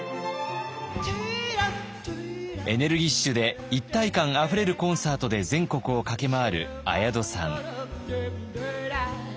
エネルギッシュで一体感あふれるコンサートで全国を駆け回る綾戸さん。